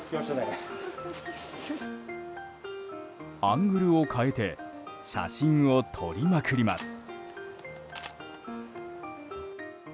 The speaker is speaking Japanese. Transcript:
アングルを変えて写真を撮りまくります。